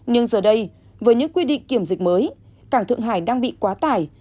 nhưng giờ đây với những quy định kiểm dịch mới cảng thượng hải đang bị quá tải